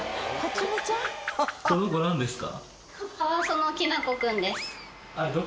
この子何ですか？